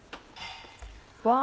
うわ。